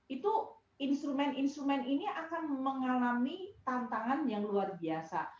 itu instrumen instrumen ini akan mengalami tantangan yang luar biasa